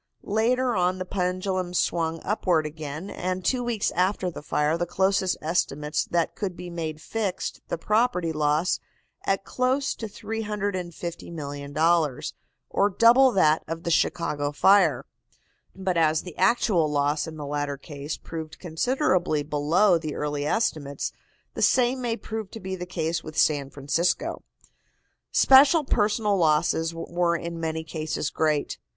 Later on the pendulum swung upward again, and two weeks after the fire the closest estimates that could be made fixed the property loss at close to $350,000,000, or double that of the Chicago fire. But as the actual loss in the latter case proved considerably below the early estimates, the same may prove to be the case with San Francisco. Special personal losses were in many cases great.